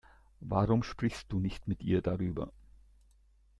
Warum sprichst du nicht mit ihr darüber?